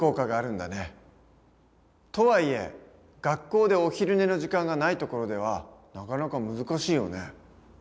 とはいえ学校でお昼寝の時間がないところではなかなか難しいよね。